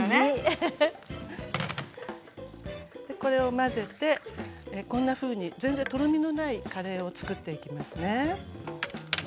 これを混ぜてこんなふうに全然とろみのないカレーを作っていきますね。